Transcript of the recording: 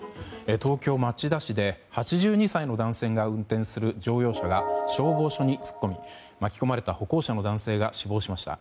東京・町田市で８２歳の男性が運転する乗用車が消防署に突っ込み巻き込まれた歩行者の男性が死亡しました。